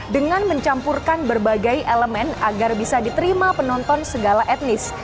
dengan mencampurkan berbagai elemen agar bisa diterima penonton segala etnis